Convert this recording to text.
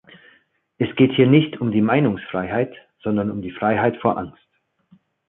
Es geht hier nicht um die Meinungsfreiheit, sondern um die Freiheit vor Angst.